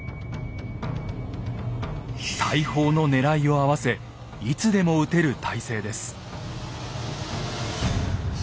大砲の狙いを合わせいつでも撃てる態勢です。